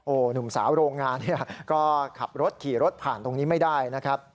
หนุ่มสาวโรงงานเนี่ยก็ขับรถขี่รถผ่านตรงนี้ไม่ได้นะครับ